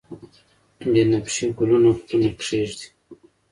بنفشیې ګلونه پلونه کښیږدي